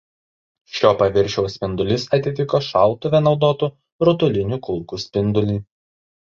Šio paviršiaus spindulys atitiko šautuve naudotų rutulinių kulkų spindulį.